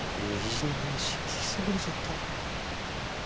虹の話聞きそびれちゃった。